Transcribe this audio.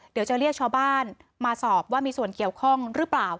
เดี๋ยวจะเรียกชาวบ้านมาสอบว่ามีส่วนเกี่ยวข้องหรือเปล่า